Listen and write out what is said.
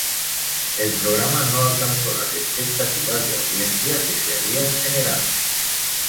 El programa no alcanzó las expectativas de audiencia que se habían generado.